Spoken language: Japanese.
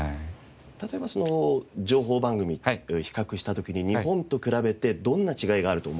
例えばその情報番組比較した時に日本と比べてどんな違いがあると思われますか？